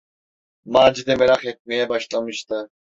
Macide merak etmeye başlamıştı.